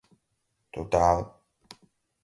total